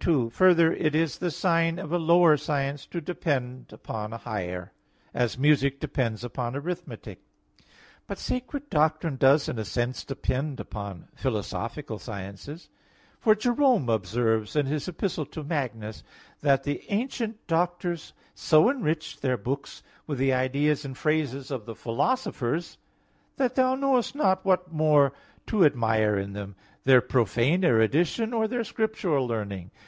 2: Further, it is the sign of a lower science to depend upon a higher; as music depends on arithmetic. But sacred doctrine does in a sense depend upon philosophical sciences; for Jerome observes, in his Epistle to Magnus, that "the ancient doctors so enriched their books with the ideas and phrases of the philosophers, that thou knowest not what more to admire in them, their profane erudition or their scriptural learning."